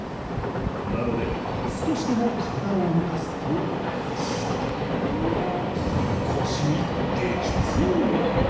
なので少しでも体を動かすと腰に激痛が。